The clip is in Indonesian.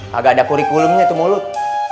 kagak ada kurikulumnya tuh mulut